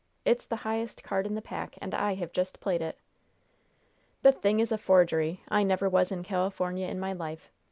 It's the highest card in the pack, and I have just played it!" "The thing is a forgery! I never was in California in my life!